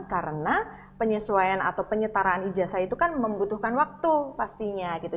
karena penyesuaian atau penyetaraan ijazah itu kan membutuhkan waktu pastinya gitu